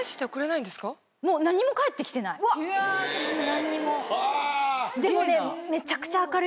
何にも。